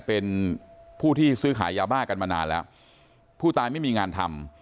เป็นผู้ที่ซื้อขายยาบ้ากันมานานแล้วผู้ตายไม่มีงานทำ